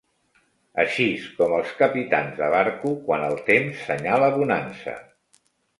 Aixís com els capitans de barco, quan el temps senyala bonança